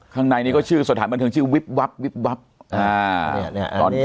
ข้างในนี้ก็ชื่อสถานบันทึกชื่อวิบวับวิบวับอ่าเนี่ยเนี่ยอันนี้